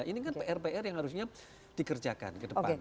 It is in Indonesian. ini kan prpr yang harusnya dikerjakan